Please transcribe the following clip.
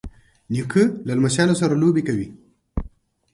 نیکه له لمسیانو سره لوبې کوي.